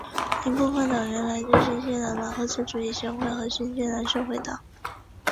一部分党员来自于新西兰马克思主义协会和新西兰社会党。